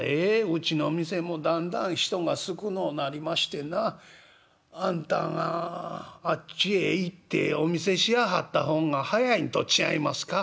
うちの店もだんだん人が少のうなりましてなあんたがあっちへ行ってお店しやはった方が早いんと違いますか？」。